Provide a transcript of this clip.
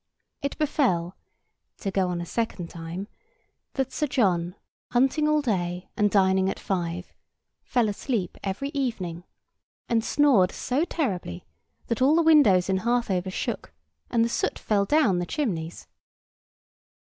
It befell (to go on a second time) that Sir John, hunting all day, and dining at five, fell asleep every evening, and snored so terribly that all the windows in Harthover shook, and the soot fell down the chimneys.